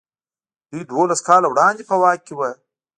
دوی دولس کاله وړاندې په واک کې وو.